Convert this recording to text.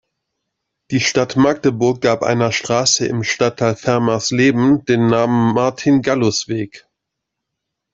Die Stadt Magdeburg gab einer Straße im Stadtteil Fermersleben den Namen Martin-Gallus-Weg.